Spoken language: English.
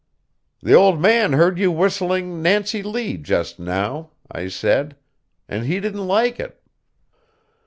"The old man heard you whistling 'Nancy Lee,' just now," I said, "and he didn't like it."